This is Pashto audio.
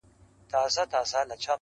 • هر سړى پر ځان شكمن سو چي نادان دئ,